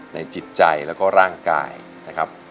จิตใจแล้วก็ร่างกายนะครับ